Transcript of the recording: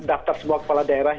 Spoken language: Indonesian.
daftar semua kepala daerah